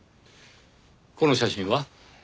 この写真は？